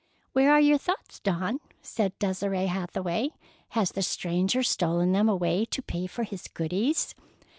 "Where are your thoughts, Dawn?" said Desire Hathaway. "Has the stranger stolen them away to pay for his goodies?"